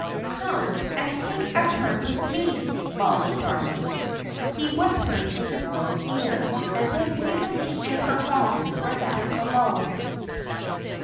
"Come and take a turn with me, Mollie darling," he whispered in the girl's ear; and then Waveney and her father were left alone.